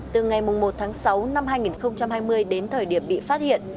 từ ngày một tháng sáu năm hai nghìn hai mươi đến thời điểm bị phát hiện